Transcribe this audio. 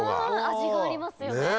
味がありますよね。